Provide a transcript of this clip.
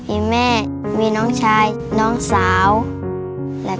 พ่อกับแม่ของหนูก็ไม่มีเงินพาน้องไปผ่าตัดค่ะ